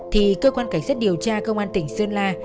thì cơ quan cảnh sát điều tra công an tỉnh sơn la